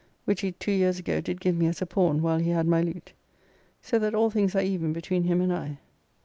which he two years ago did give me as a pawn while he had my lute. So that all things are even between him and I.